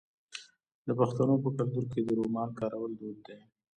د پښتنو په کلتور کې د رومال کارول دود دی.